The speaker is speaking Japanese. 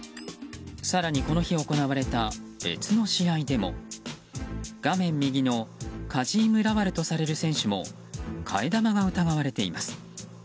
更に、この日行われた別の試合でも画面右のカジーム・ラワルとされる選手も替え玉が疑われています。